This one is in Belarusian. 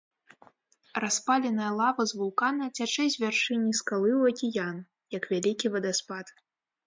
Распаленая лава з вулкана цячэ з вяршыні скалы ў акіян, як вялікі вадаспад.